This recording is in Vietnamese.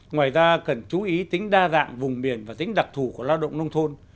ngoài ra cần chú ý tính đa dạng vùng miền và tính đặc thù của lao động nông thôn